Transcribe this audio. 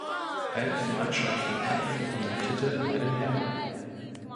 Elf Mannschaften kämpften um den Titel bei den Herren.